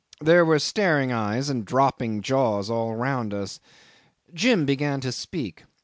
There were staring eyes and dropping jaws all around us. Jim began to speak.